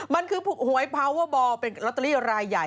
มันคือหวยพาวเวอร์บอลเป็นลอตเตอรี่รายใหญ่